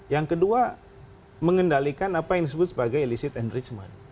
yang kedua mengendalikan apa yang disebut sebagai elicit enrichment